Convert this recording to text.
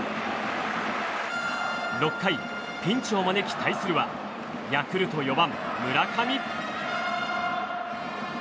６回、ピンチを招き対するはヤクルト４番、村上。